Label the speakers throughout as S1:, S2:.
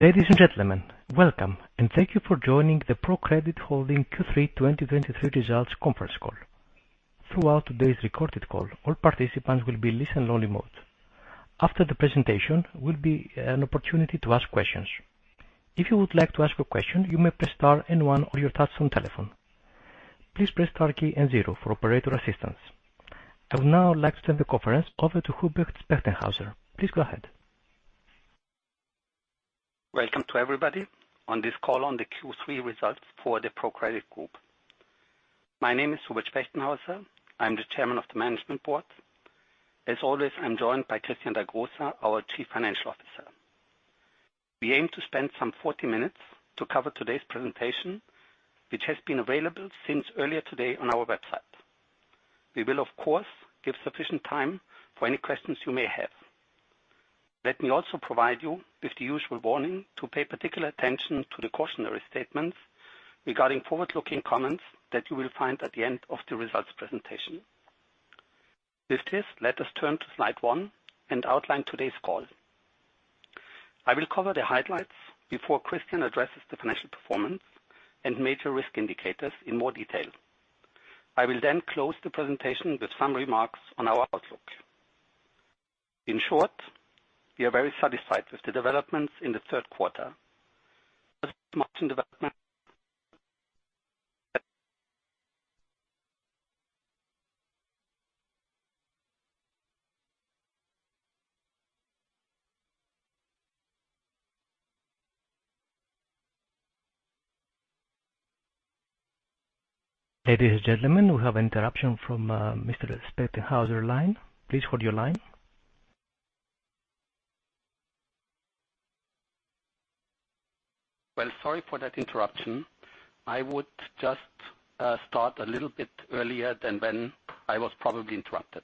S1: Ladies and gentlemen, welcome, and thank you for joining the ProCredit Holding Q3 2023 results conference call. Throughout today's recorded call, all participants will be listen only mode. After the presentation, will be an opportunity to ask questions. If you would like to ask a question, you may press star and one on your touch-tone telephone. Please press star key and zero for operator assistance. I would now like to send the conference over to Hubert Spechtenhauser. Please go ahead.
S2: Welcome to everybody on this call on the Q3 results for the ProCredit Group. My name is Hubert Spechtenhauser. I am the Chairman of the Management Board. As always, I am joined by Christian Dagrosa, our Chief Financial Officer. We aim to spend some 40 minutes to cover today's presentation, which has been available since earlier today on our website. We will, of course, give sufficient time for any questions you may have. Let me also provide you with the usual warning to pay particular attention to the cautionary statements regarding forward-looking comments that you will find at the end of the results presentation. With this, let us turn to slide one and outline today's call. I will cover the highlights before Christian addresses the financial performance and major risk indicators in more detail. I will close the presentation with some remarks on our outlook. In short, we are very satisfied with the developments in the third quarter.
S1: Ladies and gentlemen, we have an interruption from Mr. Spechtenhauser line. Please hold your line.
S2: Well, sorry for that interruption. I would just start a little bit earlier than when I was probably interrupted.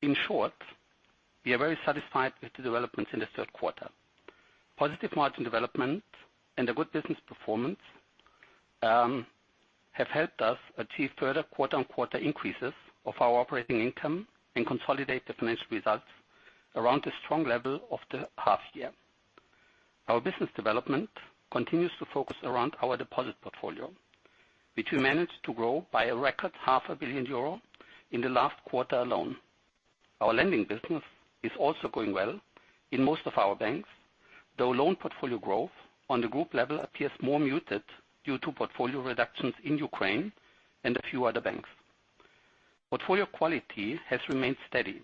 S2: In short, we are very satisfied with the developments in the third quarter. Positive margin development and the good business performance have helped us achieve further quarter-on-quarter increases of our operating income and consolidate the financial results around the strong level of the half year. Our business development continues to focus around our deposit portfolio, which we managed to grow by a record 0.5 billion euro in the last quarter alone. Our lending business is also going well in most of our banks, though loan portfolio growth on the group level appears more muted due to portfolio reductions in Ukraine and a few other banks. Portfolio quality has remained steady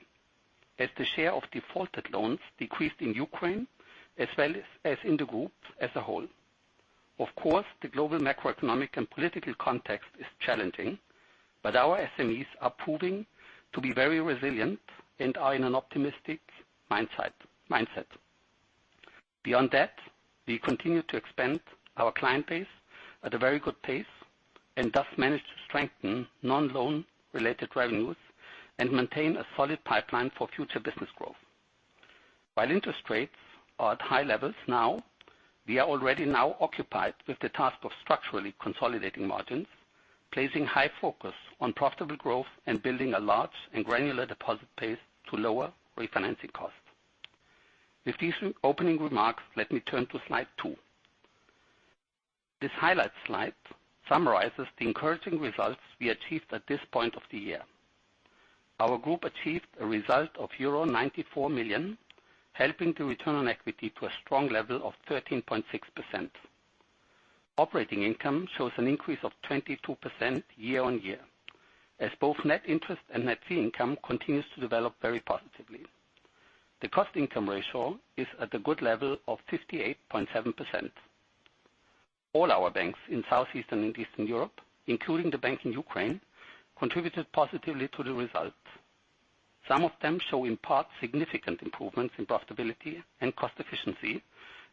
S2: as the share of defaulted loans decreased in Ukraine as well as in the group as a whole. The global macroeconomic and political context is challenging, but our SMEs are proving to be very resilient and are in an optimistic mindset. Beyond that, we continue to expand our client base at a very good pace and thus manage to strengthen non-loan related revenues and maintain a solid pipeline for future business growth. While interest rates are at high levels now, we are already now occupied with the task of structurally consolidating margins, placing high focus on profitable growth, and building a large and granular deposit base to lower refinancing costs. With these opening remarks, let me turn to slide two. This highlight slide summarizes the encouraging results we achieved at this point of the year. Our group achieved a result of euro 94 million, helping the return on equity to a strong level of 13.6%. Operating income shows an increase of 22% year-on-year, as both net interest and net fee income continues to develop very positively. The cost income ratio is at a good level of 58.7%. All our banks in Southeastern and Eastern Europe, including the bank in Ukraine, contributed positively to the results. Some of them show, in part, significant improvements in profitability and cost efficiency,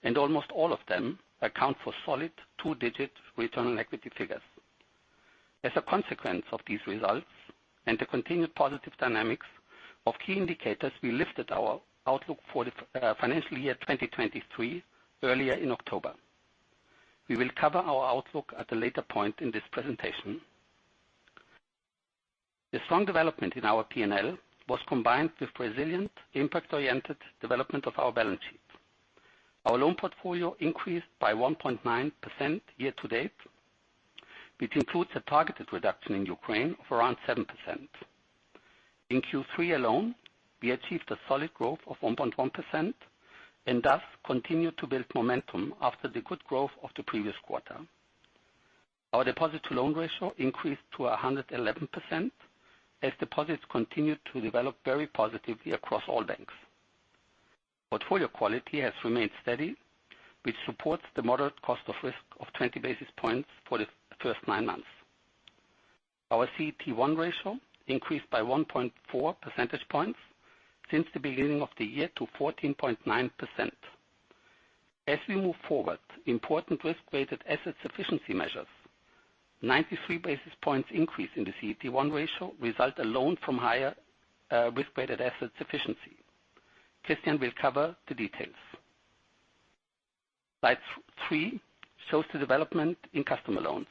S2: and almost all of them account for solid two-digit return on equity figures. As a consequence of these results and the continued positive dynamics of key indicators, we lifted our outlook for the financial year 2023 earlier in October. We will cover our outlook at a later point in this presentation. The strong development in our P&L was combined with resilient impact-oriented development of our balance sheet. Our loan portfolio increased by 1.9% year-to-date, which includes a targeted reduction in Ukraine of around 7%. In Q3 alone, we achieved a solid growth of 1.1% and thus continued to build momentum after the good growth of the previous quarter. Our deposit to loan ratio increased to 111%, as deposits continued to develop very positively across all banks. Portfolio quality has remained steady, which supports the moderate cost of risk of 20 basis points for the first nine months. Our CET1 ratio increased by 1.4 percentage points since the beginning of the year to 14.9%. As we move forward, important risk-weighted asset efficiency measures, 93 basis points increase in the CET1 ratio result alone from higher risk-weighted asset efficiency. Christian will cover the details. Slide three shows the development in customer loans.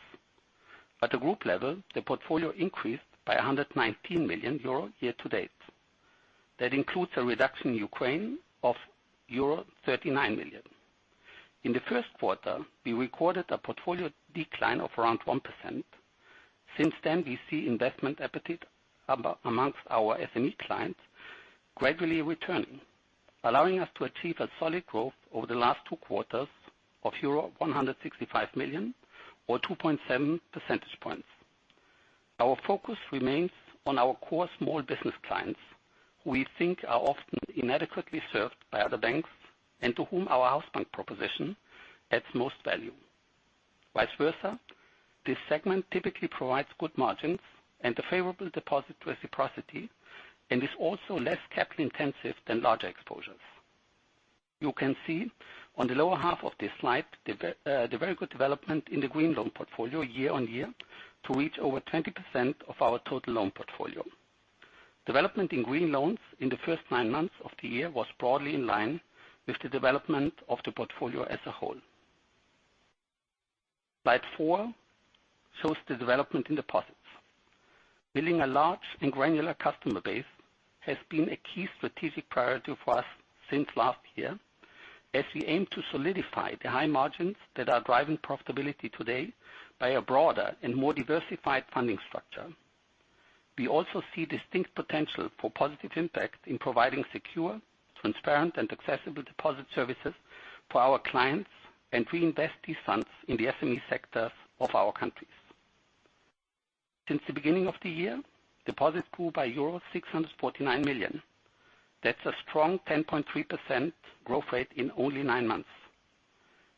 S2: At the group level, the portfolio increased by 119 million euro year-to-date. That includes a reduction in Ukraine of euro 39 million. In the first quarter, we recorded a portfolio decline of around 1%. Since then, we see investment appetite amongst our SME clients gradually returning, allowing us to achieve a solid growth over the last two quarters of euro 165 million or 2.7 percentage points. Our focus remains on our core small business clients who we think are often inadequately served by other banks and to whom our house bank proposition adds most value. Vice versa, this segment typically provides good margins and a favorable deposit reciprocity, and is also less capital intensive than larger exposures. You can see on the lower half of this slide, the very good development in the green loan portfolio year-on-year to reach over 20% of our total loan portfolio. Development in green loans in the first nine months of the year was broadly in line with the development of the portfolio as a whole. Slide four shows the development in deposits. Building a large and granular customer base has been a key strategic priority for us since last year, as we aim to solidify the high margins that are driving profitability today by a broader and more diversified funding structure. We also see distinct potential for positive impact in providing secure, transparent, and accessible deposit services for our clients, and we invest these funds in the SME sectors of our countries. Since the beginning of the year, deposits grew by euro 649 million. That's a strong 10.3% growth rate in only nine months.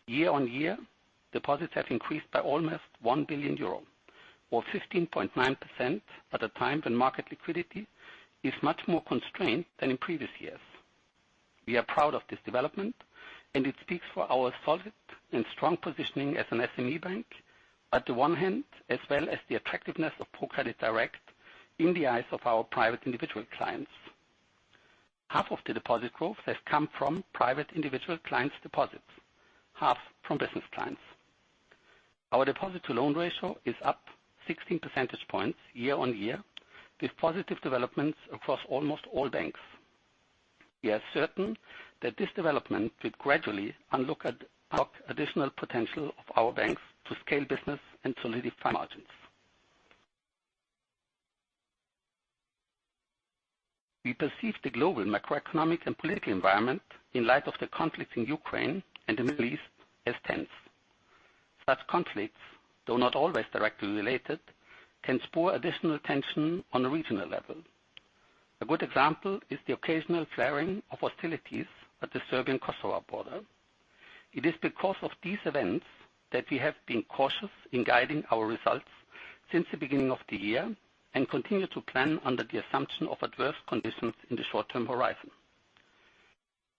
S2: Year-on-year, deposits have increased by almost 1 billion euro, or 15.9% at a time when market liquidity is much more constrained than in previous years. We are proud of this development, and it speaks for our solid and strong positioning as an SME bank at the one hand, as well as the attractiveness of ProCredit Direct in the eyes of our private individual clients. Half of the deposit growth has come from private individual clients deposits, half from business clients. Our deposit to loan ratio is up 16 percentage points year-on-year with positive developments across almost all banks. We are certain that this development will gradually unlock additional potential of our banks to scale business and solidify margins. We perceive the global macroeconomic and political environment in light of the conflicts in Ukraine and the Middle East as tense. Such conflicts, though not always directly related, can spur additional tension on a regional level. A good example is the occasional flaring of hostilities at the Serbian-Kosovo border. It is because of these events that we have been cautious in guiding our results since the beginning of the year and continue to plan under the assumption of adverse conditions in the short-term horizon.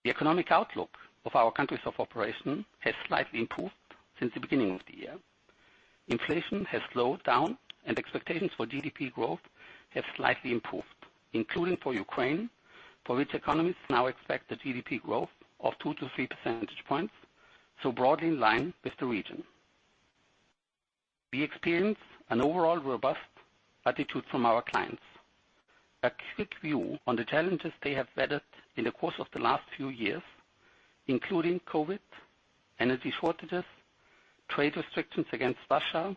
S2: The economic outlook of our countries of operation has slightly improved since the beginning of the year. Inflation has slowed down and expectations for GDP growth have slightly improved, including for Ukraine, for which economists now expect the GDP growth of 2-3 percentage points, so broadly in line with the region. We experience an overall robust attitude from our clients. A quick view on the challenges they have vetted in the course of the last few years, including COVID, energy shortages, trade restrictions against Russia,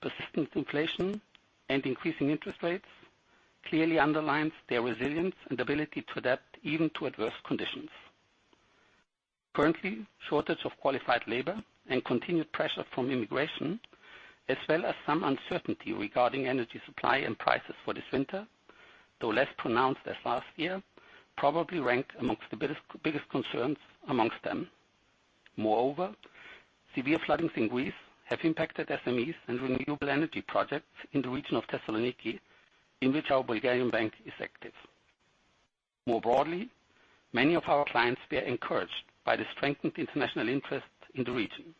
S2: persistent inflation, and increasing interest rates, clearly underlines their resilience and ability to adapt even to adverse conditions. Currently, shortage of qualified labor and continued pressure from immigration, as well as some uncertainty regarding energy supply and prices for this winter, though less pronounced as last year, probably rank amongst the biggest concerns amongst them. Moreover, severe floodings in Greece have impacted SMEs and renewable energy projects in the region of Thessaloniki, in which our Bulgarian bank is active. More broadly, many of our clients were encouraged by the strengthened international interest in the region.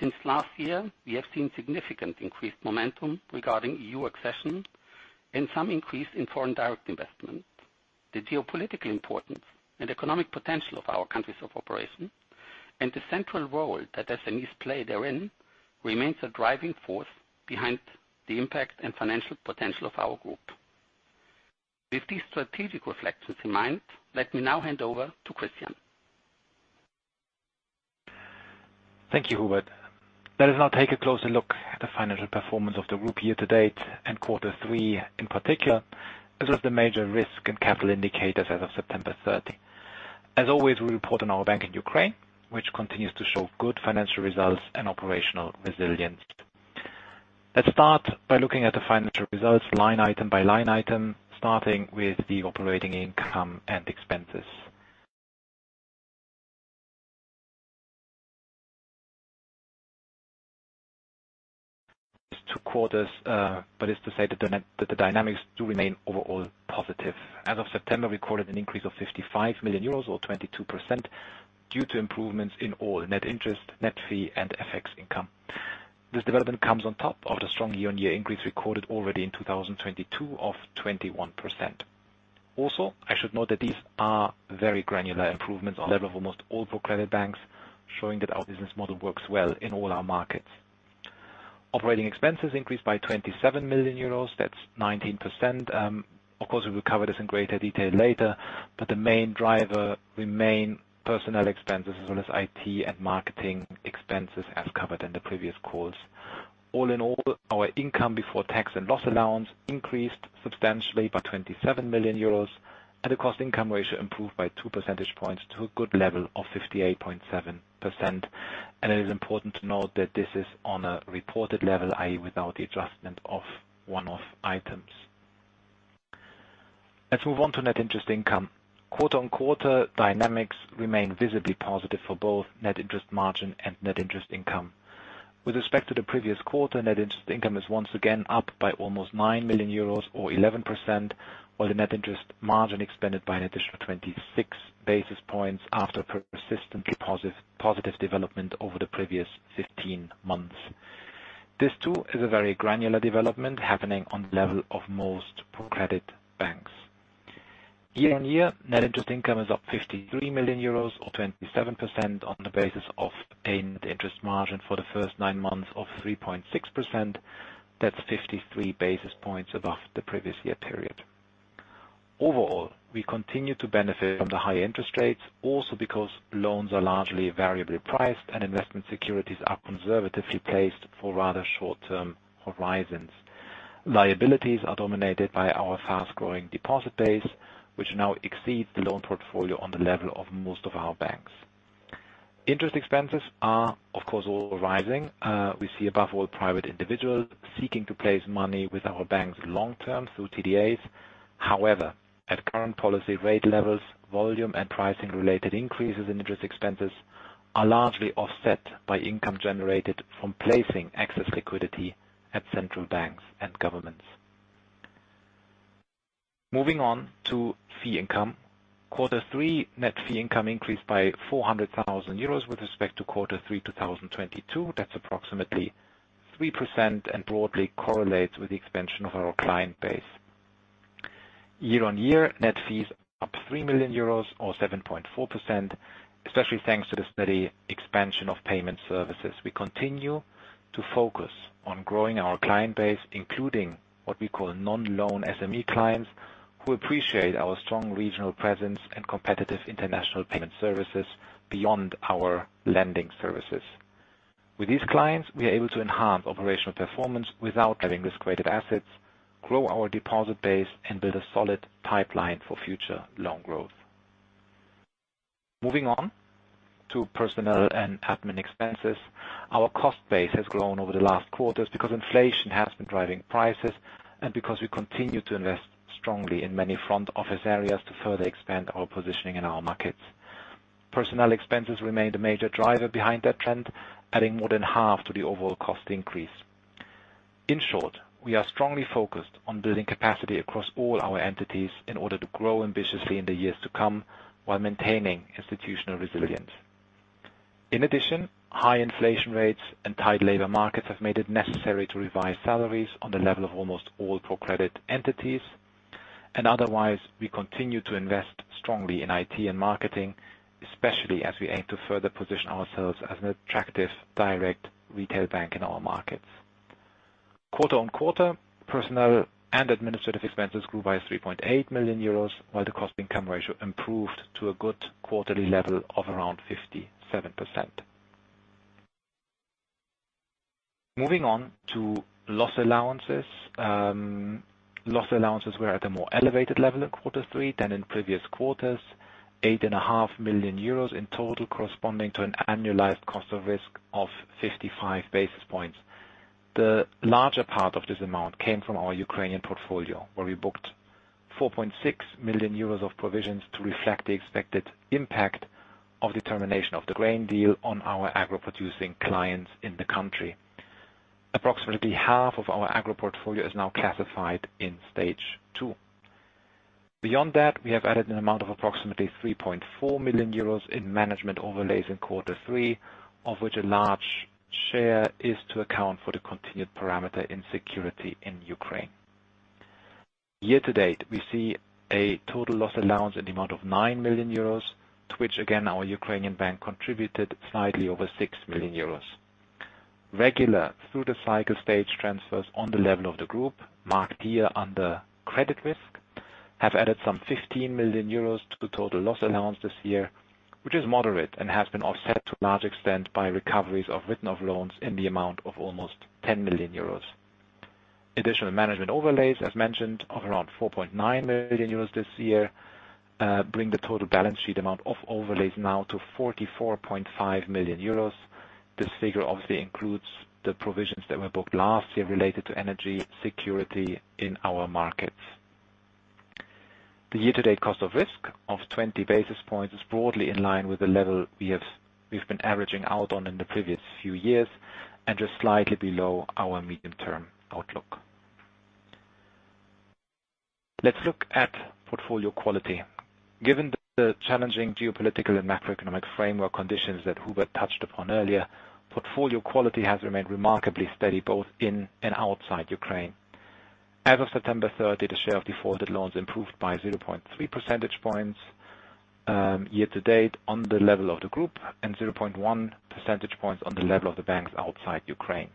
S2: Since last year, we have seen significant increased momentum regarding EU accession and some increase in foreign direct investment. The geopolitical importance and economic potential of our countries of operation and the central role that SMEs play therein remains a driving force behind the impact and financial potential of our group. With these strategic reflections in mind, let me now hand over to Christian.
S3: Thank you, Hubert. Let us now take a closer look at the financial performance of the group year-to-date and quarter three in particular, as well as the major risk and capital indicators as of September 30. As always, we report on our bank in Ukraine, which continues to show good financial results and operational resilience. Let's start by looking at the financial results line item by line item, starting with the operating income and expenses. Two quarters, but it is to say that the dynamics do remain overall positive. As of September, we recorded an increase of 55 million euros, or 22%, due to improvements in all net interest, net fee, and FX income. This development comes on top of the strong year-on-year increase recorded already in 2022 of 21%. I should note that these are very granular improvements on level of almost all ProCredit banks, showing that our business model works well in all our markets. Operating expenses increased by 27 million euros. That's 19%. Of course, we will cover this in greater detail later, but the main driver remain personnel expenses as well as IT and marketing expenses as covered in the previous calls. All in all, our income before tax and loss allowance increased substantially by 27 million euros, and the cost income ratio improved by 2 percentage points to a good level of 58.7%. It is important to note that this is on a reported level, i.e., without the adjustment of one-off items. Let's move on to net interest income. Quarter-on-quarter, dynamics remain visibly positive for both net interest margin and net interest income. With respect to the previous quarter, net interest income is once again up by almost 9 million euros or 11%, while the net interest margin expanded by an additional 26 basis points after a persistently positive development over the previous 15 months. This too is a very granular development happening on the level of most ProCredit banks. Year-on-year, net interest income is up 53 million euros or 27% on the basis of paying the interest margin for the first nine months of 3.6%. That's 53 basis points above the previous year period. Overall, we continue to benefit from the high interest rates, also because loans are largely variably priced and investment securities are conservatively placed for rather short-term horizons. Liabilities are dominated by our fast-growing deposit base, which now exceeds the loan portfolio on the level of most of our banks. Interest expenses are, of course, all rising. We see above all private individuals seeking to place money with our banks long-term through TDAs. At current policy rate levels, volume and pricing-related increases in interest expenses are largely offset by income generated from placing excess liquidity at central banks and governments. Moving on to fee income. Quarter three net fee income increased by 400,000 euros with respect to quarter three 2022. That's approximately 3% and broadly correlates with the expansion of our client base. Year-on-year, net fees up 3 million euros or 7.4%, especially thanks to the steady expansion of payment services. We continue to focus on growing our client base, including what we call non-loan SME clients, who appreciate our strong regional presence and competitive international payment services beyond our lending services. With these clients, we are able to enhance operational performance without having risk-weighted assets, grow our deposit base, and build a solid pipeline for future loan growth. Moving on to personnel and admin expenses. Our cost base has grown over the last quarters because inflation has been driving prices and because we continue to invest strongly in many front office areas to further expand our positioning in our markets. Personnel expenses remained a major driver behind that trend, adding more than half to the overall cost increase. In short, we are strongly focused on building capacity across all our entities in order to grow ambitiously in the years to come while maintaining institutional resilience. High inflation rates and tight labor markets have made it necessary to revise salaries on the level of almost all ProCredit entities. Otherwise, we continue to invest strongly in IT and marketing, especially as we aim to further position ourselves as an attractive direct retail bank in our markets. Quarter-on-quarter, personnel and administrative expenses grew by 3.8 million euros, while the cost-income ratio improved to a good quarterly level of around 57%. Moving on to loss allowances. Loss allowances were at a more elevated level in quarter three than in previous quarters, 8.5 million euros in total corresponding to an annualized cost of risk of 55 basis points. The larger part of this amount came from our Ukrainian portfolio, where we booked 4.6 million euros of provisions to reflect the expected impact of the termination of the Grain Deal on our Agro producing clients in the country. Approximately half of our Agro portfolio is now classified in stage two. Beyond that, we have added an amount of approximately 3.4 million euros in management overlays in quarter three, of which a large share is to account for the continued parameter insecurity in Ukraine. Year-to-date, we see a total loss allowance in the amount of 9 million euros, to which again, our Ukrainian Bank contributed slightly over 6 million euros. Regular through the cycle stage transfers on the level of the group marked here under credit risk have added some 15 million euros to total loss allowance this year, which is moderate and has been offset to a large extent by recoveries of written-off loans in the amount of almost 10 million euros. Additional management overlays, as mentioned, of around 4.9 million euros this year, bring the total balance sheet amount of overlays now to 44.5 million euros. This figure obviously includes the provisions that were booked last year related to energy security in our markets. The year-to-date cost of risk of 20 basis points is broadly in line with the level we've been averaging out on in the previous few years and just slightly below our medium-term outlook. Let's look at portfolio quality. Given the challenging geopolitical and macroeconomic framework conditions that Hubert touched upon earlier, portfolio quality has remained remarkably steady both in and outside Ukraine. As of September 30, the share of defaulted loans improved by 0.3 percentage points year-to-date on the level of the group, and 0.1 percentage points on the level of the banks outside Ukraine.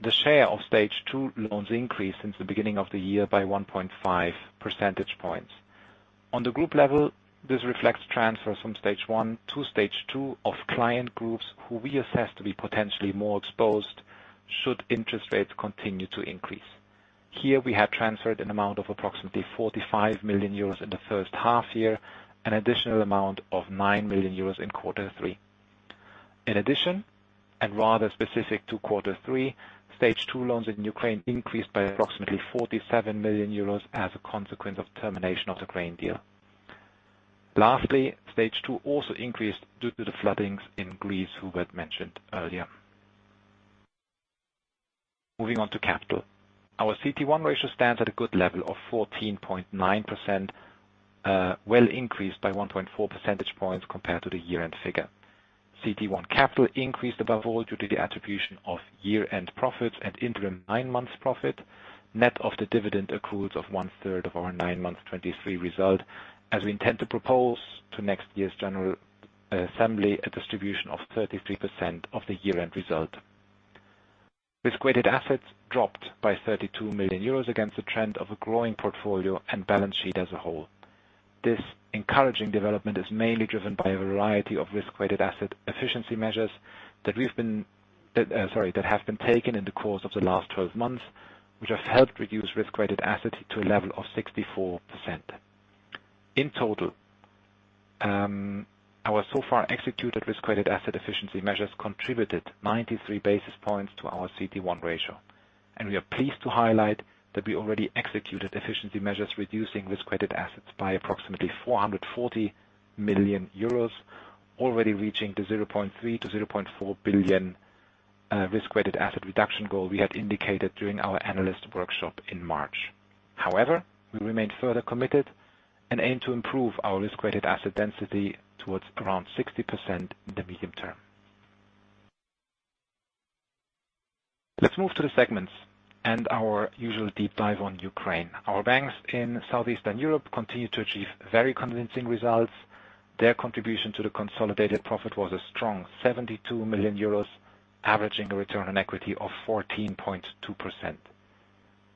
S3: The share of stage two loans increased since the beginning of the year by 1.5 percentage points. On the group level, this reflects transfers from stage one to stage two of client groups who we assess to be potentially more exposed should interest rates continue to increase. Here we have transferred an amount of approximately 45 million euros in the first half year, an additional amount of 9 million euros in quarter three. In addition, and rather specific to quarter three, stage two loans in Ukraine increased by approximately 47 million euros as a consequence of termination of the grain deal. Lastly, stage two also increased due to the floodings in Greece, Hubert mentioned earlier. Moving on to capital. Our CET1 ratio stands at a good level of 14.9%, well increased by 1.4 percentage points compared to the year-end figure. CET1 capital increased above all due to the attribution of year-end profits and interim nine months profit, net of the dividend accruals of one third of our nine month 2023 result, as we intend to propose to next year's general assembly a distribution of 33% of the year-end result. Risk-weighted assets dropped by 32 million euros against the trend of a growing portfolio and balance sheet as a whole. This encouraging development is mainly driven by a variety of risk-weighted asset efficiency measures that have been taken in the course of the last 12 months, which have helped reduce risk-weighted assets to a level of 64%. In total, our so far executed risk-weighted asset efficiency measures contributed 93 basis points to our CET1 ratio. We are pleased to highlight that we already executed efficiency measures, reducing risk-weighted assets by approximately 440 million euros, already reaching the 0.3-0.4 billion risk-weighted asset reduction goal we had indicated during our analyst workshop in March. However, we remain further committed and aim to improve our risk-weighted asset density towards around 60% in the medium term. Let's move to the segments and our usual deep dive on Ukraine. Our banks in Southeastern Europe continue to achieve very convincing results. Their contribution to the consolidated profit was a strong 72 million euros, averaging a return on equity of 14.2%.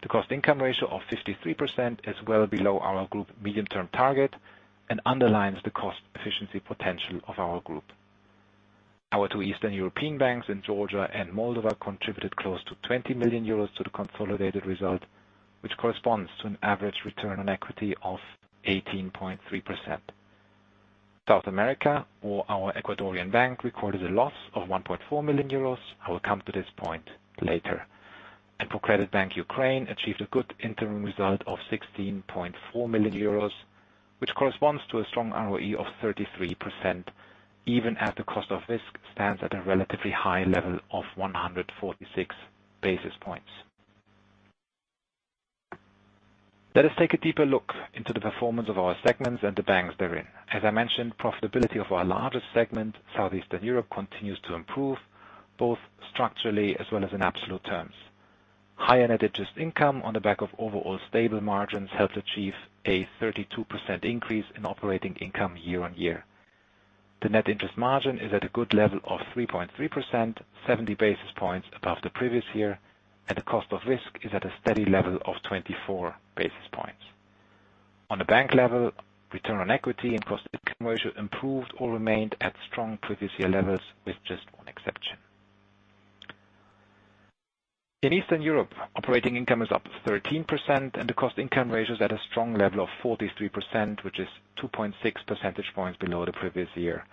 S3: The cost-income ratio of 53% is well below our group medium-term target and underlines the cost-efficiency potential of our group. Our two Eastern European banks in Georgia and Moldova contributed close to 20 million euros to the consolidated result, which corresponds to an average return on equity of 18.3%. South America or our Ecuadorian bank recorded a loss of 1.4 million euros. I will come to this point later. ProCredit Bank Ukraine achieved a good interim result of 16.4 million euros, which corresponds to a strong ROE of 33%, even at the cost of risk stands at a relatively high level of 146 basis points. Let us take a deeper look into the performance of our segments and the banks therein. As I mentioned, profitability of our largest segment, Southeastern Europe, continues to improve both structurally as well as in absolute terms. Higher net interest income on the back of overall stable margins helped achieve a 32% increase in operating income year-on-year. The net interest margin is at a good level of 3.3%, 70 basis points above the previous year, and the cost of risk is at a steady level of 24 basis points. On the bank level, return on equity and cost-income ratio improved or remained at strong previous year levels with just one exception. In Eastern Europe, operating income is up 13% and the cost-income ratio is at a strong level of 43%, which is 2.6 percentage points below the previous year.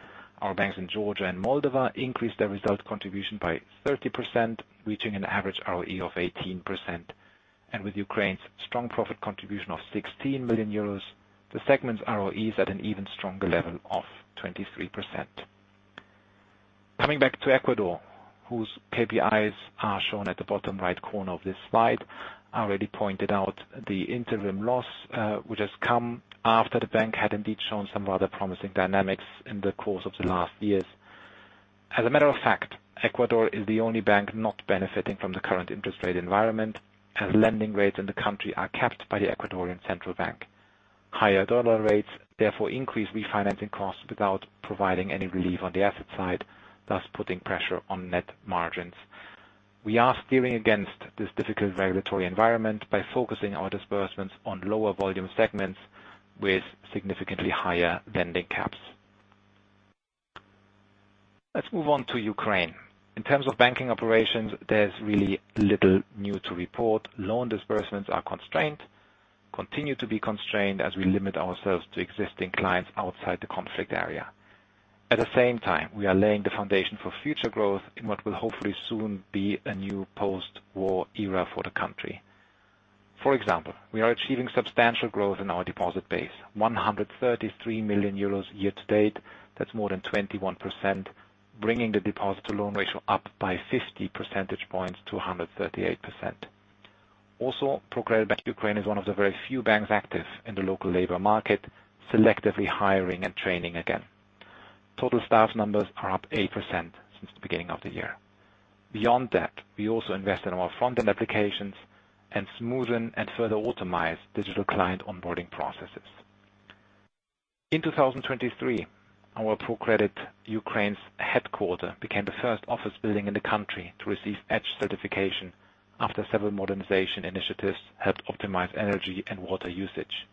S3: Our banks in Georgia and Moldova increased their result contribution by 30%, reaching an average ROE of 18%. With Ukraine's strong profit contribution of 16 million euros, the segment's ROE is at an even stronger level of 23%. Coming back to Ecuador, whose KPIs are shown at the bottom right corner of this slide. I already pointed out the interim loss, which has come after the bank had indeed shown some rather promising dynamics in the course of the last years. As a matter of fact, Ecuador is the only bank not benefiting from the current interest rate environment, as lending rates in the country are capped by the Ecuadorian central bank. Higher dollar rates therefore increase refinancing costs without providing any relief on the asset side, thus putting pressure on net margins. We are steering against this difficult regulatory environment by focusing our disbursements on lower volume segments with significantly higher lending caps. Let's move on to Ukraine. In terms of banking operations, there's really little new to report. Loan disbursements are constrained, continue to be constrained as we limit ourselves to existing clients outside the conflict area. At the same time, we are laying the foundation for future growth in what will hopefully soon be a new post-war era for the country. For example, we are achieving substantial growth in our deposit base, 133 million euros year-to-date, that's more than 21%, bringing the deposit to loan ratio up by 50 percentage points to 138%. ProCredit Bank Ukraine is one of the very few banks active in the local labor market, selectively hiring and training again. Total staff numbers are up 8% since the beginning of the year. Beyond that, we also invested in our front-end applications and smoothen and further automize digital client onboarding processes. In 2023, our ProCredit Ukraine's headquarter became the first office building in the country to receive EDGE certification after several modernization initiatives helped optimize energy and water usage.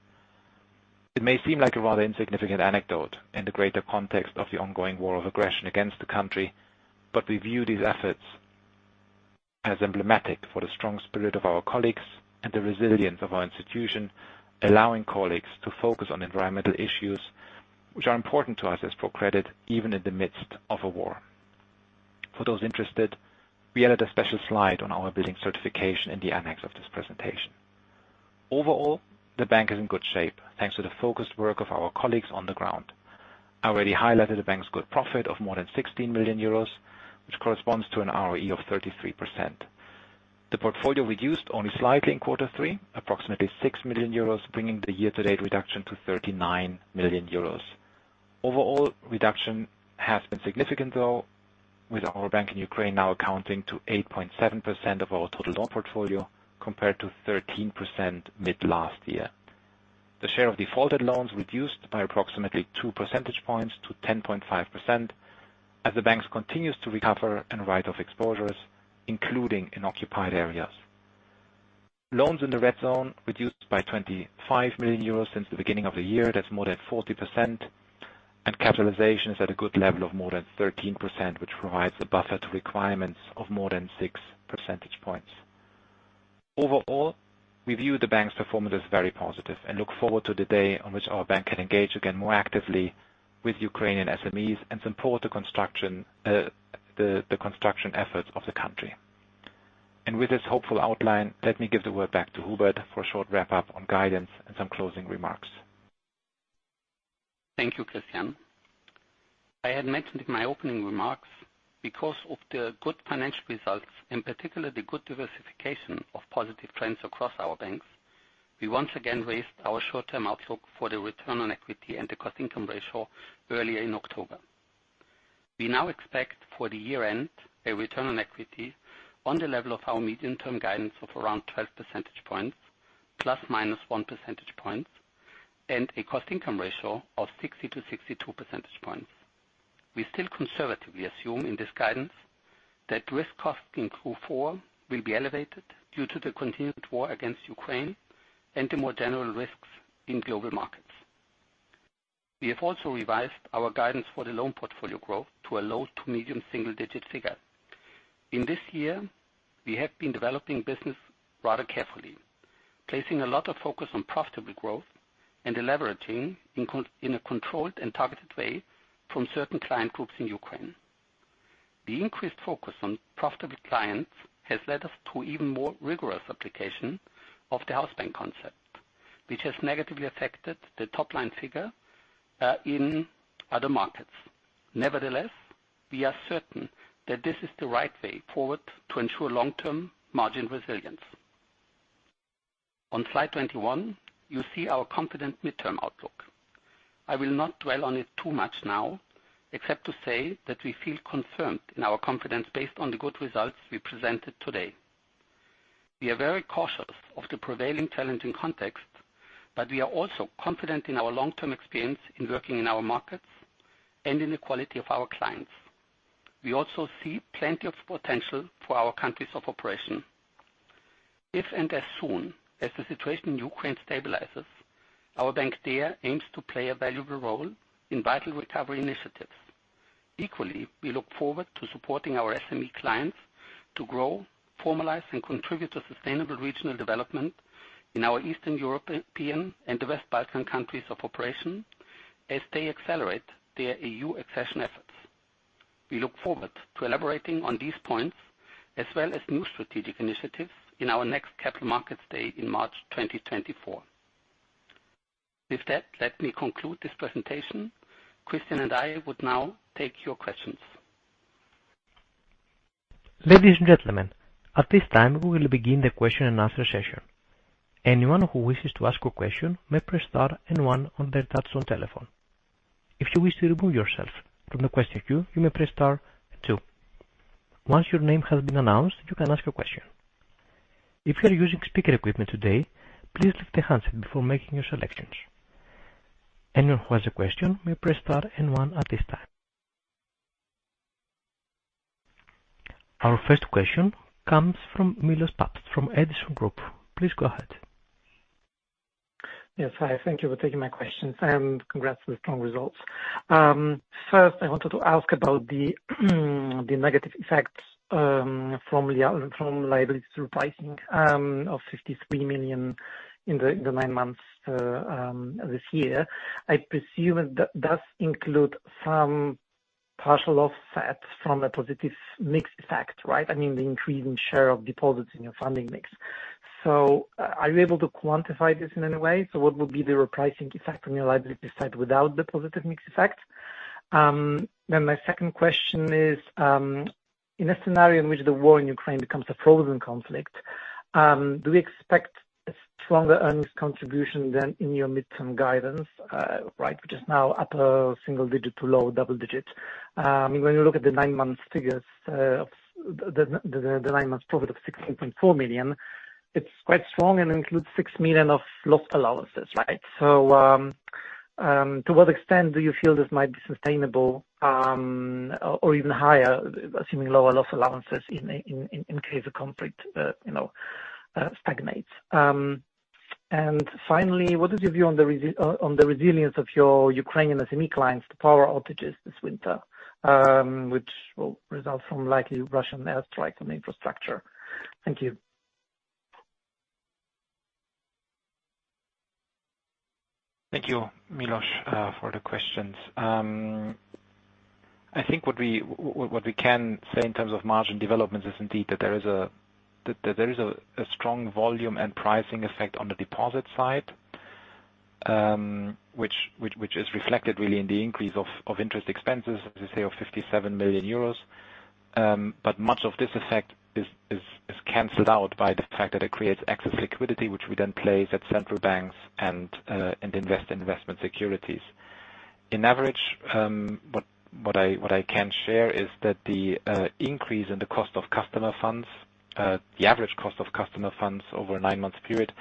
S3: It may seem like a rather insignificant anecdote in the greater context of the ongoing war of aggression against the country, but we view these efforts as emblematic for the strong spirit of our colleagues and the resilience of our institution, allowing colleagues to focus on environmental issues which are important to us as ProCredit, even in the midst of a war. For those interested, we added a special slide on our building certification in the annex of this presentation. Overall, the bank is in good shape, thanks to the focused work of our colleagues on the ground. I already highlighted the bank's good profit of more than 16 million euros, which corresponds to an ROE of 33%. The portfolio reduced only slightly in quarter three, approximately 6 million euros, bringing the year-to-date reduction to 39 million euros. Overall, reduction has been significant though, with our bank in Ukraine now accounting to 8.7% of our total loan portfolio compared to 13% mid last year. The share of defaulted loans reduced by approximately 2 percentage points to 10.5% as the banks continues to recover and write off exposures, including in occupied areas. Loans in the red zone reduced by 25 million euros since the beginning of the year. That's more than 40%. Capitalization is at a good level of more than 13%, which provides a buffer to requirements of more than 6 percentage points. Overall, we view the bank's performance as very positive and look forward to the day on which our bank can engage again more actively with Ukrainian SMEs and support the construction efforts of the country. With this hopeful outline, let me give the word back to Hubert for a short wrap-up on guidance and some closing remarks.
S2: Thank you, Christian. I had mentioned in my opening remarks, because of the good financial results, in particular, the good diversification of positive trends across our banks, we once again raised our short-term outlook for the return on equity and the cost income ratio earlier in October. We now expect for the year-end a return on equity on the level of our medium-term guidance of around 12 percentage points, ±1 percentage points, and a cost income ratio of 60-62 percentage points. We still conservatively assume in this guidance that risk cost in Q4 will be elevated due to the continued war against Ukraine and the more general risks in global markets. We have also revised our guidance for the loan portfolio growth to a low to medium single-digit figure. In this year, we have been developing business rather carefully, placing a lot of focus on profitable growth and leveraging in a controlled and targeted way from certain client groups in Ukraine. The increased focus on profitable clients has led us to even more rigorous application of the house bank concept, which has negatively affected the top-line figure, in other markets. Nevertheless, we are certain that this is the right way forward to ensure long-term margin resilience. On slide 21, you see our confident midterm outlook. I will not dwell on it too much now, except to say that we feel confirmed in our confidence based on the good results we presented today. We are very cautious of the prevailing challenging context, but we are also confident in our long-term experience in working in our markets and in the quality of our clients. We also see plenty of potential for our countries of operation. If and as soon as the situation in Ukraine stabilizes, our bank there aims to play a valuable role in vital recovery initiatives. Equally, we look forward to supporting our SME clients to grow, formalize, and contribute to sustainable regional development in our Eastern European and the West Balkan countries of operation as they accelerate their EU accession efforts. We look forward to elaborating on these points as well as new strategic initiatives in our next Capital Markets Day in March 2024. With that, let me conclude this presentation. Christian and I would now take your questions.
S1: Ladies and gentlemen, at this time, we will begin the question and answer session. Anyone who wishes to ask a question may press star and one on their touch-tone telephone. If you wish to remove yourself from the question queue, you may press star two. Once your name has been announced, you can ask your question. If you are using speaker equipment today, please lift the handset before making your selections. Anyone who has a question may press star and one at this time. Our first question comes from Milosz Papst from Edison Group. Please go ahead.
S4: Yes. Hi, thank you for taking my questions, and congrats on the strong results. First, I wanted to ask about the negative effects from liability repricing of 53 million in the nine months this year. I presume that does include some partial offset from a positive mix effect, right? I mean, the increase in share of deposits in your funding mix. Are you able to quantify this in any way? What would be the repricing effect on your liability side without the positive mix effect? My second question is, in a scenario in which the war in Ukraine becomes a frozen conflict, do we expect a stronger earnings contribution than in your midterm guidance, which is now upper single digit to low double digit? When you look at the nine months figures, the nine months profit of 16.4 million, it is quite strong and includes 6 million of loss allowances. To what extent do you feel this might be sustainable or even higher, assuming lower loss allowances in case the conflict stagnates? Finally, what is your view on the resilience of your Ukrainian SME clients to power outages this winter, which will result from likely Russian airstrike on infrastructure? Thank you.
S3: Thank you, Milosz, for the questions. I think what we can say in terms of margin development is indeed that there is a strong volume and pricing effect on the deposit side, which is reflected really in the increase of interest expenses, as you say, of 57 million euros. Much of this effect is canceled out by the fact that it creates excess liquidity, which we then place at central banks and invest in investment securities. In average, what I can share is that the increase in the cost of customer funds, the average cost of customer funds over a nine-month period,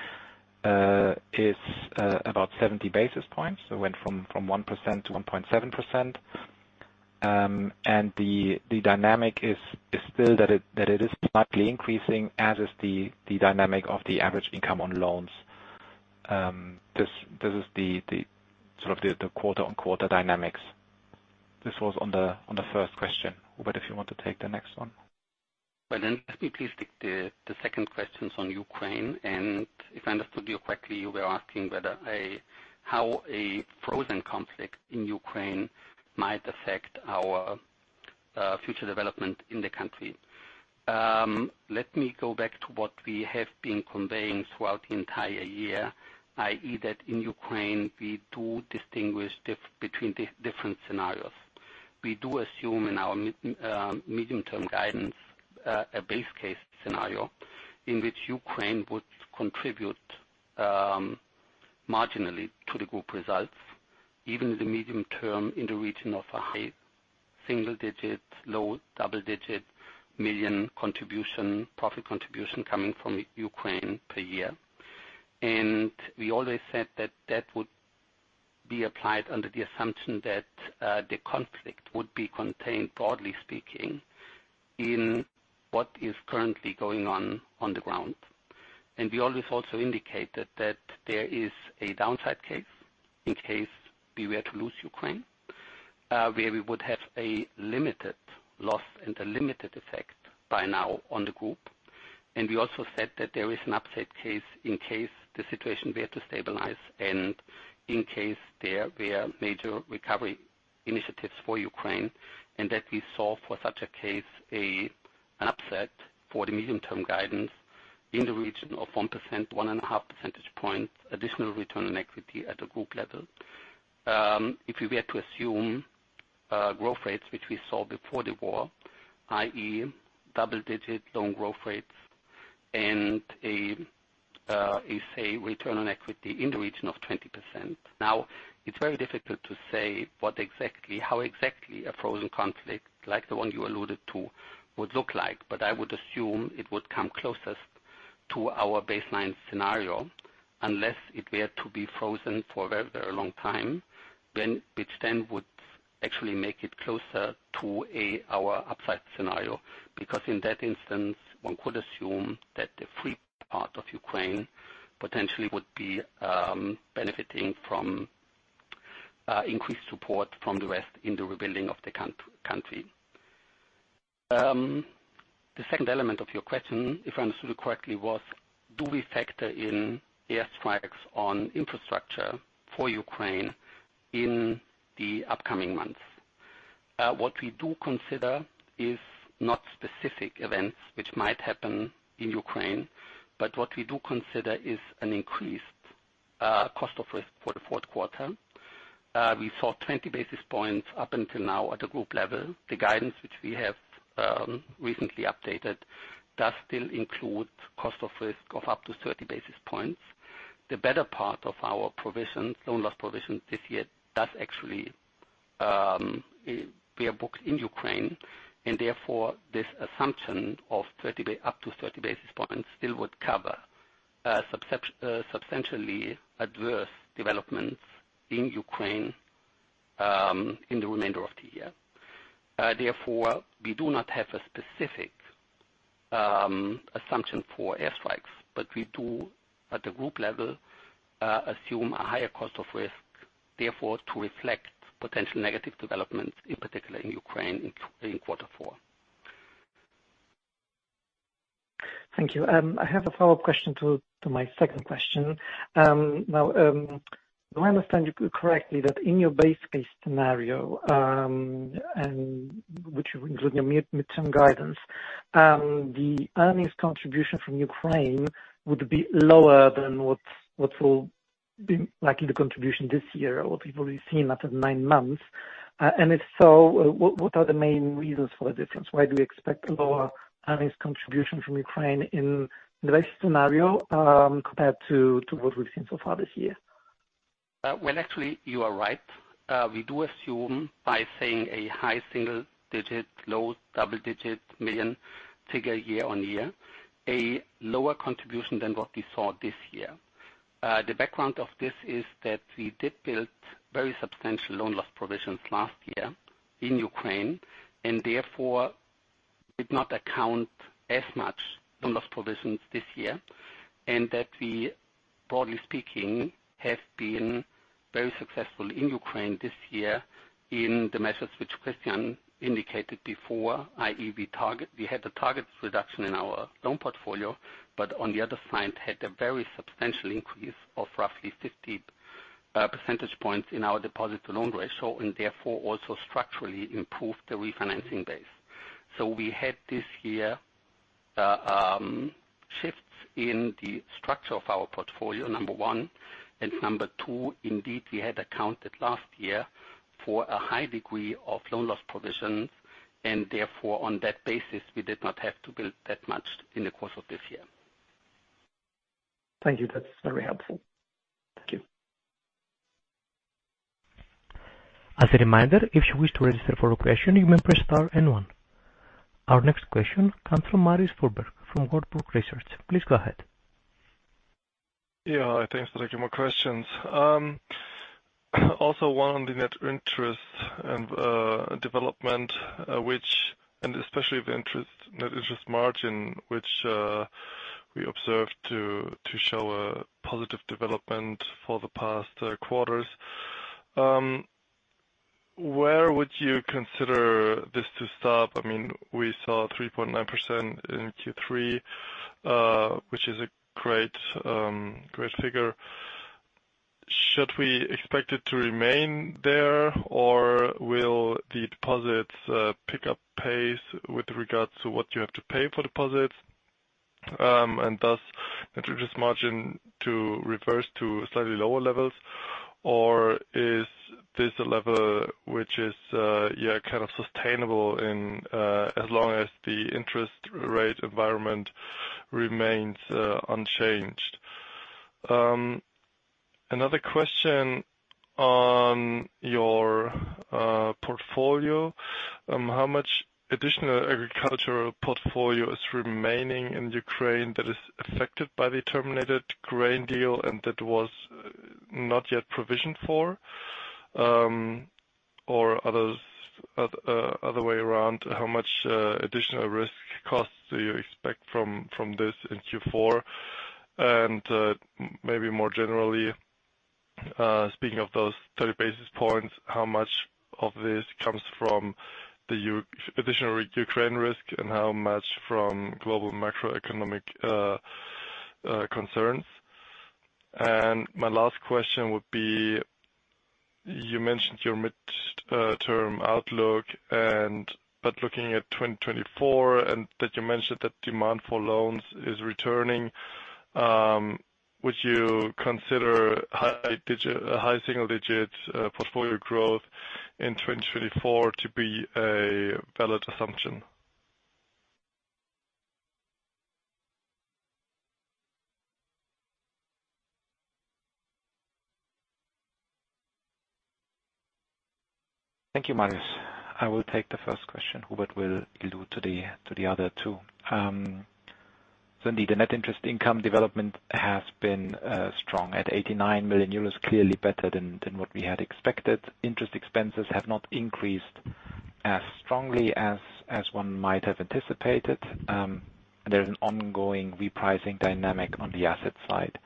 S3: is about 70 basis points. It went from 1% to 1.7%. The dynamic is still that it is slightly increasing, as is the dynamic of the average income on loans. This is the sort of the quarter-on-quarter dynamics. This was on the first question. Hubert, if you want to take the next one.
S2: Let me please take the second questions on Ukraine. If I understood you correctly, you were asking how a frozen conflict in Ukraine might affect our future development in the country. Let me go back to what we have been conveying throughout the entire year, i.e., that in Ukraine we do distinguish between different scenarios. We do assume in our medium-term guidance, a base case scenario in which Ukraine would contribute marginally to the group results, even in the medium term, in the region of a high single-digit, low double-digit million contribution, profit contribution coming from Ukraine per year. We always said that that would be applied under the assumption that the conflict would be contained, broadly speaking, in what is currently going on on the ground. We always also indicated that there is a downside case in case we were to lose Ukraine, where we would have a limited loss and a limited effect by now on the group. We also said that there is an upside case in case the situation were to stabilize and in case there were major recovery initiatives for Ukraine, and that we saw for such a case an upside for the medium-term guidance in the region of 1-1.5 percentage points additional return on equity at the group level. If we were to assume growth rates which we saw before the war, i.e., double-digit loan growth rates and a, say, return on equity in the region of 20%. It's very difficult to say how exactly a frozen conflict like the one you alluded to would look like. I would assume it would come closest to our baseline scenario, unless it were to be frozen for a very long time, which then would actually make it closer to our upside scenario. Because in that instance, one could assume that the free part of Ukraine potentially would be benefiting from increased support from the West in the rebuilding of the country. The second element of your question, if I understood correctly, was, do we factor in airstrikes on infrastructure for Ukraine in the upcoming months? What we do consider is not specific events which might happen in Ukraine, but what we do consider is an increased cost of risk for the fourth quarter. We saw 20 basis points up until now at the group level. The guidance which we have recently updated does still include cost of risk of up to 30 basis points. The better part of our provisions, loan loss provisions this year, does actually be booked in Ukraine, therefore this assumption of up to 30 basis points still would cover substantially adverse developments in Ukraine in the remainder of the year. We do not have a specific assumption for airstrikes, but we do, at the group level, assume a higher cost of risk, therefore to reflect potential negative developments in particular in Ukraine in quarter four.
S4: Thank you. I have a follow-up question to my second question. Now, do I understand you correctly that in your base case scenario, which you include in your midterm guidance. The earnings contribution from Ukraine would be lower than what will be likely the contribution this year or what we’ve already seen after nine months. If so, what are the main reasons for the difference? Why do we expect a lower earnings contribution from Ukraine in the base scenario, compared to what we’ve seen so far this year?
S2: Well, actually you are right. We do assume by saying a high single-digit, low double-digit million figure year-on-year, a lower contribution than what we saw this year. The background of this is that we did build very substantial loan loss provisions last year in Ukraine. Therefore, did not account as much loan loss provisions this year. That we, broadly speaking, have been very successful in Ukraine this year in the measures which Christian indicated before, i.e., we had a target reduction in our loan portfolio. On the other side, had a very substantial increase of roughly 50 percentage points in our deposit to loan ratio and therefore also structurally improved the refinancing base. We had this year, shifts in the structure of our portfolio, number one. Number two, indeed, we had accounted last year for a high degree of loan loss provisions. Therefore, on that basis, we did not have to build that much in the course of this year.
S4: Thank you. That’s very helpful.
S2: Thank you.
S1: As a reminder, if you wish to register for a question, you may press star and one. Our next question comes from Marius Fuhrberg from Warburg Research. Please go ahead.
S5: Yeah. Thanks for taking my questions. Also, one on the net interest and development, and especially the net interest margin, which, we observed to show a positive development for the past quarters. Where would you consider this to stop? We saw 3.9% in Q3, which is a great figure. Should we expect it to remain there, or will the deposits pick up pace with regards to what you have to pay for deposits, and thus introduce margin to reverse to slightly lower levels? Or is this a level which is sustainable as long as the interest rate environment remains unchanged? Another question on your portfolio. How much additional agricultural portfolio is remaining in Ukraine that is affected by the terminated grain deal and that was not yet provisioned for? Or other way around, how much additional risk costs do you expect from this in Q4? Maybe more generally, speaking of those 30 basis points, how much of this comes from the additional Ukraine risk and how much from global macroeconomic concerns? My last question would be, you mentioned your mid-term outlook but looking at 2024 and that you mentioned that demand for loans is returning, would you consider a high single-digit portfolio growth in 2024 to be a valid assumption?
S3: Thank you, Marius. I will take the first question. Hubert will allude to the other two. Indeed, the net interest income development has been strong at 89 million euros, clearly better than what we had expected. Interest expenses have not increased as strongly as one might have anticipated. There's an ongoing repricing dynamic on the asset side.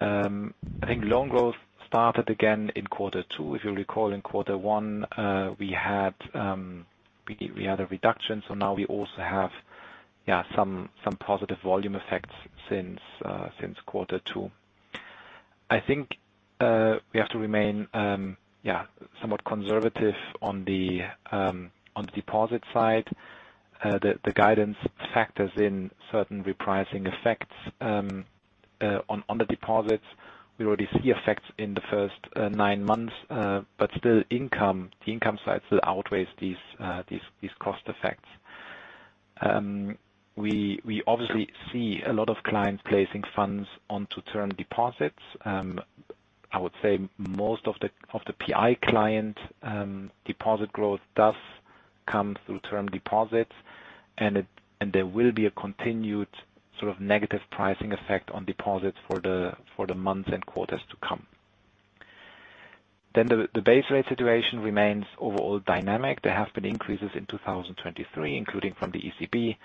S3: I think loan growth started again in quarter two. If you'll recall, in quarter one, we had a reduction, so now we also have some positive volume effects since quarter two. I think we have to remain somewhat conservative on the deposit side. The guidance factors in certain repricing effects on the deposits. We already see effects in the first nine months, but still the income side still outweighs these cost effects. We obviously see a lot of clients placing funds onto term deposits. I would say most of the PI client deposit growth does come through term deposits and there will be a continued sort of negative pricing effect on deposits for the months and quarters to come. The base rate situation remains overall dynamic. There have been increases in 2023, including from the ECB,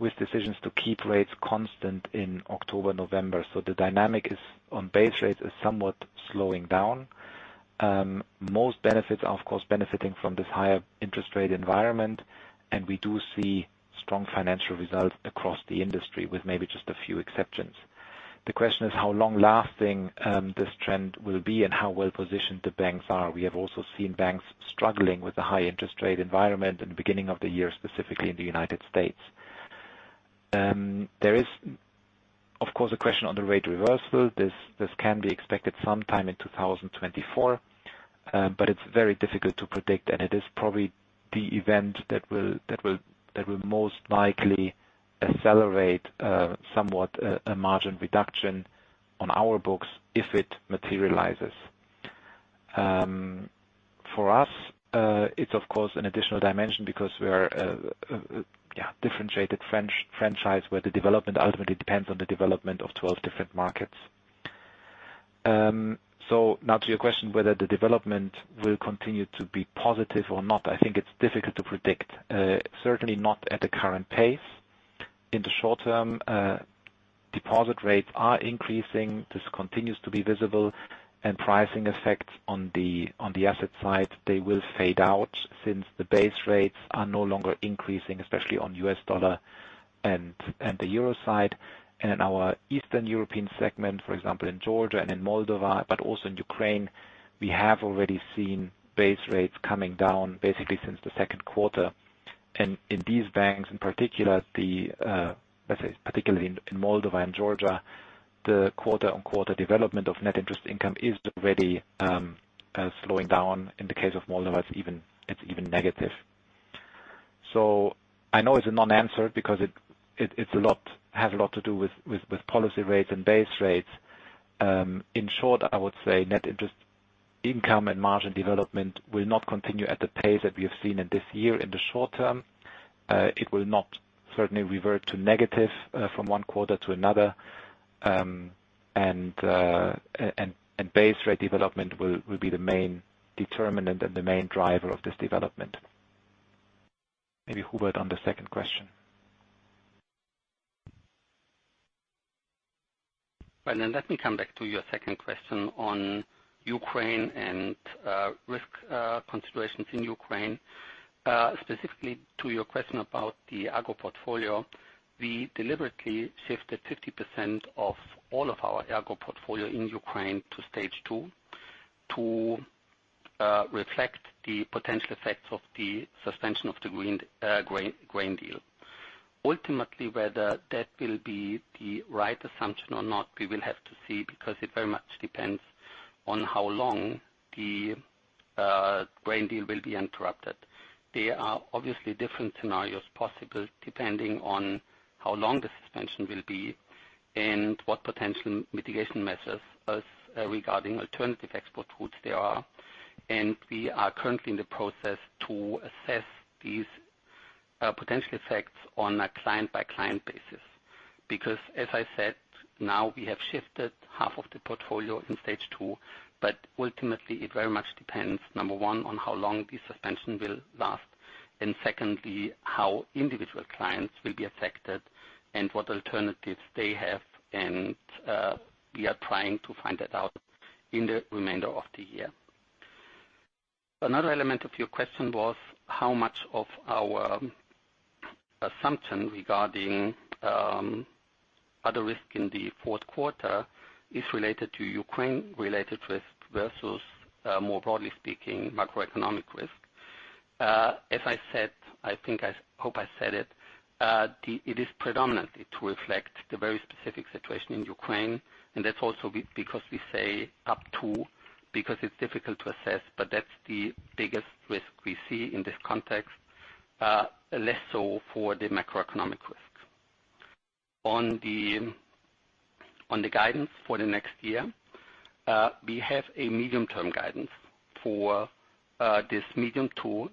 S3: with decisions to keep rates constant in October, November. The dynamic on base rates is somewhat slowing down. Most benefits are, of course, benefiting from this higher interest rate environment, and we do see strong financial results across the industry with maybe just a few exceptions. The question is how long-lasting this trend will be and how well-positioned the banks are. We have also seen banks struggling with the high interest rate environment in the beginning of the year, specifically in the U.S. There is, of course, a question on the rate reversal. This can be expected sometime in 2024, but it's very difficult to predict, and it is probably the event that will most likely accelerate somewhat a margin reduction on our books if it materializes. For us, it's of course an additional dimension because we are a differentiated franchise where the development ultimately depends on the development of 12 different markets. Now to your question whether the development will continue to be positive or not, I think it's difficult to predict. Certainly not at the current pace. In the short term, deposit rates are increasing. This continues to be visible and pricing effects on the asset side, they will fade out since the base rates are no longer increasing, especially on USD and the euro side. In our Eastern European segment, for example, in Georgia and in Moldova, but also in Ukraine, we have already seen base rates coming down basically since the second quarter. In these banks, in particular, let's say particularly in Moldova and Georgia, the quarter-on-quarter development of net interest income is already slowing down. In the case of Moldova, it's even negative. I know it's a non-answer because it has a lot to do with policy rates and base rates. In short, I would say net interest income and margin development will not continue at the pace that we have seen in this year in the short term. It will not certainly revert to negative from one quarter to another. Base rate development will be the main determinant and the main driver of this development. Maybe Hubert on the second question.
S2: Let me come back to your second question on Ukraine and risk considerations in Ukraine. Specifically to your question about the Agro portfolio. We deliberately shifted 50% of all of our Agro portfolio in Ukraine to stage two to reflect the potential effects of the suspension of the grain deal. Ultimately, whether that will be the right assumption or not, we will have to see, because it very much depends on how long the grain deal will be interrupted. There are obviously different scenarios possible, depending on how long the suspension will be and what potential mitigation measures regarding alternative export routes there are. We are currently in the process to assess these potential effects on a client-by-client basis. As I said, now we have shifted half of the portfolio in stage two, but ultimately it very much depends, number one, on how long the suspension will last, and secondly, how individual clients will be affected and what alternatives they have. We are trying to find that out in the remainder of the year. Another element of your question was how much of our assumption regarding other risk in the fourth quarter is related to Ukraine-related risk versus, more broadly speaking, macroeconomic risk. As I said, I hope I said it is predominantly to reflect the very specific situation in Ukraine, and that's also because we say up to, because it's difficult to assess, but that's the biggest risk we see in this context. Less so for the macroeconomic risks. On the guidance for the next year, we have a medium-term guidance for this medium to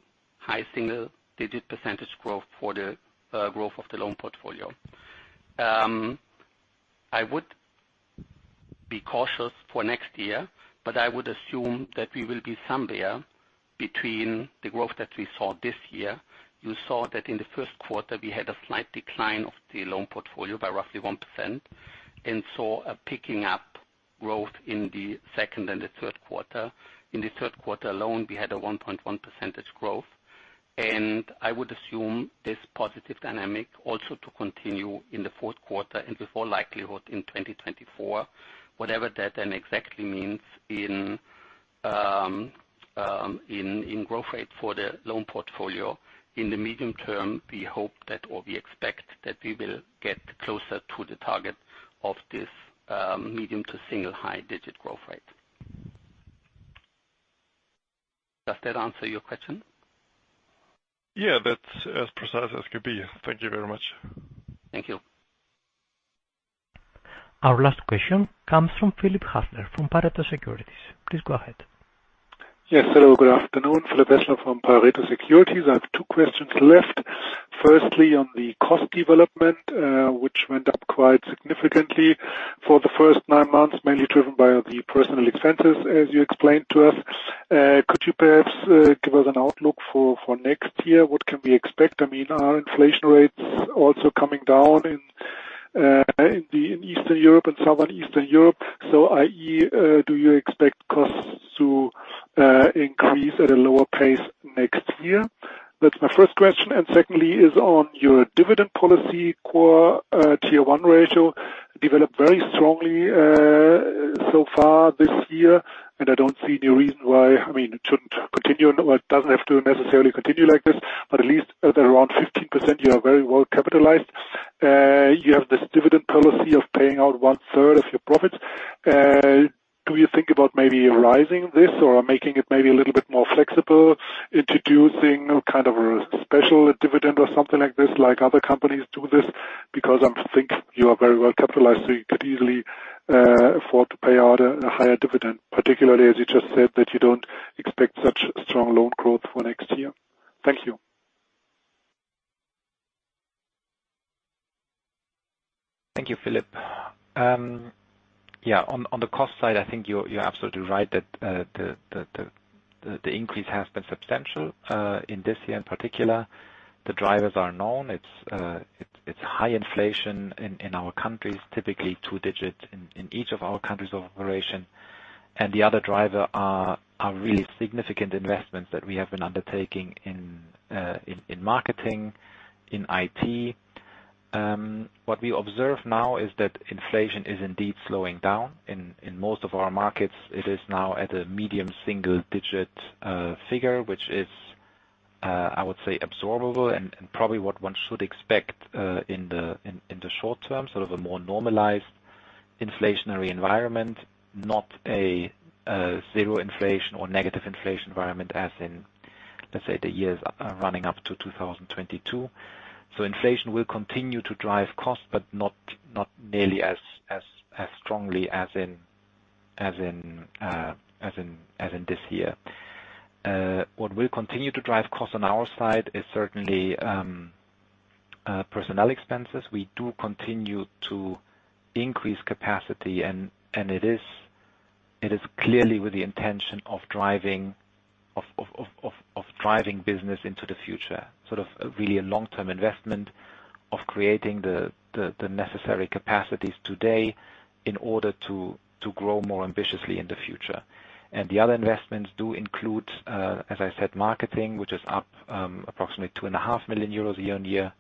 S2: high single-digit percentage growth for the growth of the loan portfolio. I would be cautious for next year, but I would assume that we will be somewhere between the growth that we saw this year. You saw that in the first quarter, we had a slight decline of the loan portfolio by roughly 1%, and saw a picking up growth in the second and the third quarter. In the third quarter alone, we had a 1.1 percentage growth, and I would assume this positive dynamic also to continue in the fourth quarter and with all likelihood in 2024, whatever that then exactly means in growth rate for the loan portfolio. In the medium term, we hope that, or we expect that we will get closer to the target of this medium to single high-digit growth rate. Does that answer your question?
S5: Yeah, that's as precise as could be. Thank you very much.
S2: Thank you.
S1: Our last question comes from Philipp Häßler from Pareto Securities. Please go ahead.
S6: Yes, hello. Good afternoon. Philipp Häßler from Pareto Securities. I have two questions left. Firstly, on the cost development, which went up quite significantly for the first nine months, mainly driven by the personal expenses, as you explained to us. Could you perhaps give us an outlook for next year? What can we expect? Our inflation rate's also coming down in Eastern Europe and Southern Eastern Europe. i.e., do you expect costs to increase at a lower pace next year? That's my first question. Secondly is on your dividend policy core Tier 1 ratio developed very strongly so far this year, and I don't see any reason why it shouldn't continue. Well, it doesn't have to necessarily continue like this, but at least at around 15%, you are very well capitalized. You have this dividend policy of paying out one third of your profits. Do you think about maybe raising this or making it maybe a little bit more flexible, introducing a special dividend or something like this, like other companies do this? Because I think you are very well capitalized, so you could easily afford to pay out a higher dividend, particularly as you just said that you don't expect such strong loan growth for next year. Thank you.
S3: Thank you, Philipp. On the cost side, I think you're absolutely right that the increase has been substantial in this year in particular. The drivers are known. It's high inflation in our countries, typically two-digit in each of our countries of operation. The other driver are really significant investments that we have been undertaking in marketing, in IT. What we observe now is that inflation is indeed slowing down in most of our markets. It is now at a medium single-digit figure, which is, I would say, absorbable and probably what one should expect in the short-term, a more normalized inflationary environment, not a zero inflation or negative inflation environment as in, let's say, the years running up to 2022. Inflation will continue to drive costs, but not nearly as strongly as in this year. What will continue to drive costs on our side is certainly personnel expenses. We do continue to increase capacity, and it is clearly with the intention of driving business into the future, sort of really a long-term investment of creating the necessary capacities today in order to grow more ambitiously in the future. The other investments do include, as I said, marketing, which is up approximately 2.5 million euros year-on-year.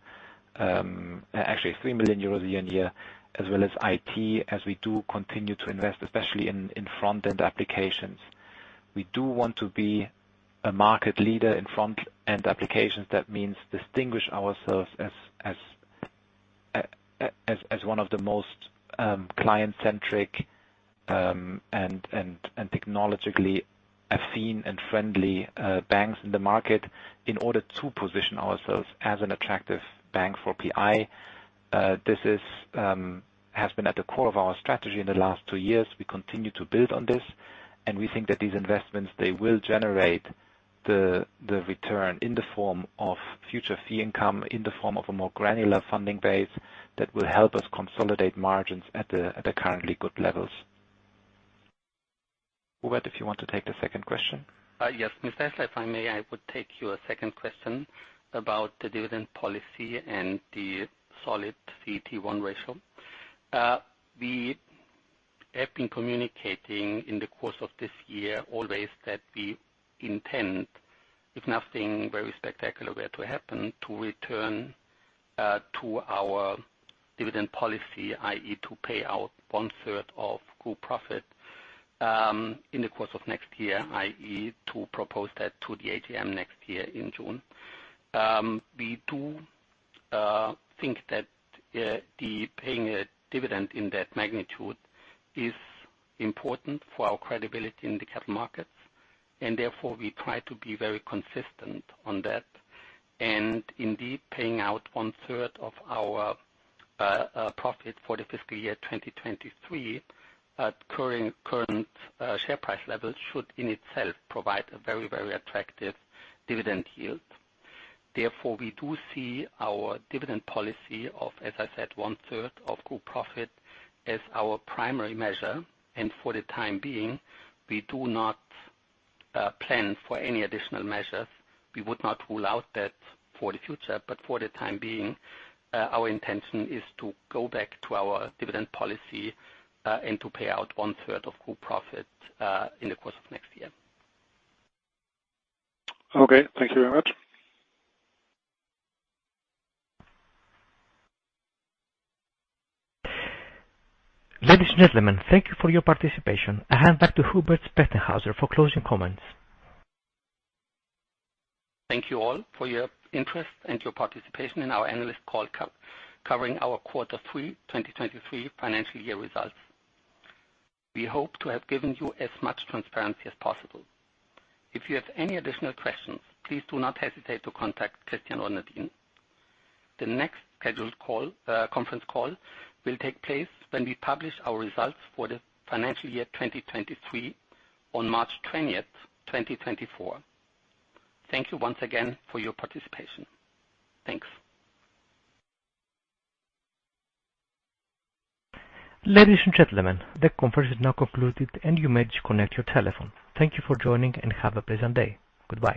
S3: Actually 3 million euros year-on-year, as well as IT, as we do continue to invest, especially in front-end applications. We do want to be a market leader in front-end applications. That means distinguish ourselves as one of the most client-centric and technologically affine and friendly banks in the market in order to position ourselves as an attractive bank for PI. This has been at the core of our strategy in the last two years. We continue to build on this, and we think that these investments, they will generate the return in the form of future fee income, in the form of a more granular funding base that will help us consolidate margins at the currently good levels. Hubert, if you want to take the second question.
S2: Yes. If I may, I would take your second question about the dividend policy and the solid CET1 ratio. We have been communicating in the course of this year always that we intend, if nothing very spectacular were to happen, to return to our dividend policy, i.e. to pay out one third of group profit, in the course of next year, i.e. to propose that to the AGM next year in June. We do think that the paying a dividend in that magnitude is important for our credibility in the capital markets. We try to be very consistent on that. Indeed, paying out one third of our profit for the fiscal year 2023 at current share price levels should in itself provide a very attractive dividend yield. We do see our dividend policy of, as I said, one third of group profit as our primary measure. For the time being, we do not plan for any additional measures. We would not rule out that for the future. For the time being, our intention is to go back to our dividend policy, and to pay out one third of group profit in the course of next year.
S6: Okay. Thank you very much.
S1: Ladies and gentlemen, thank you for your participation. I hand back to Hubert Spechtenhauser for closing comments.
S2: Thank you all for your interest and your participation in our analyst call covering our quarter three 2023 financial year results. We hope to have given you as much transparency as possible. If you have any additional questions, please do not hesitate to contact Christian or Nadine. The next scheduled conference call will take place when we publish our results for the financial year 2023 on March 20th, 2024. Thank you once again for your participation. Thanks.
S1: Ladies and gentlemen, the conference is now concluded, and you may disconnect your telephone. Thank you for joining, and have a pleasant day. Goodbye.